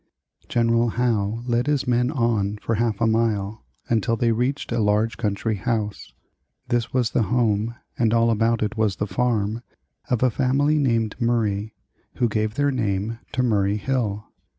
General Howe led his men on for half a mile, until they reached a large country house. This was the home, and all about it was the farm, of a family named Murray (who gave their name to Murray Hill).